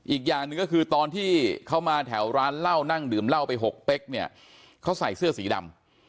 อีกอย่างหนึ่งก็คือตอนที่เขามาแถวร้านเหล้านั่งดื่มเหล้าไป๖เป๊กเนี่ยเขาใส่เสื้อสีดำ